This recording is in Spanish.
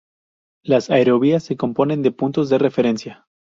Las aerovías se componen de puntos de referencia.